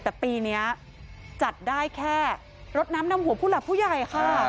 แต่ปีนี้จัดได้แค่รถน้ำนำหัวผู้หลักผู้ใหญ่ค่ะ